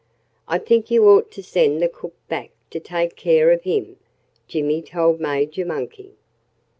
"I think you ought to send the cook back to take care of him," Jimmy told Major Monkey.